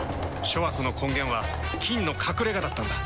諸悪の根源は「菌の隠れ家」だったんだ。